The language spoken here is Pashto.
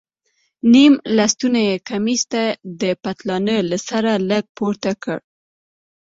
نيم لستوڼى کميس يې د پتلانه له سره لږ پورته کړ.